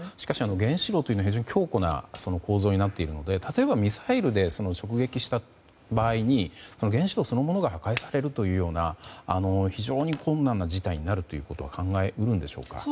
原子炉というのは非常に強固な構造になっているので例えばミサイルで直撃した場合に原子炉そのものが破壊されるというような非常に困難な事態になるということは考え得るんでしょうか。